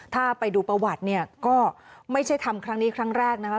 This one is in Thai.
ถ้าไปดูประวัติเนี่ยก็ไม่ใช่ทำครั้งนี้ครั้งแรกนะคะ